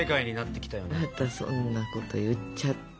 またそんなこと言っちゃって。